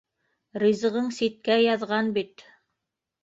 Ризығың ситкә яҙған бит...